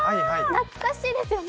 懐かしいですよね。